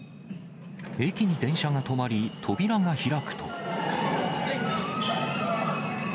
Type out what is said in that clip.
駅に電車が止まり、扉が開くと。